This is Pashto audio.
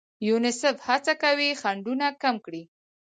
یونیسف هڅه کوي خنډونه کم کړي.